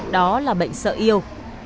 đó là bệnh sợ yêu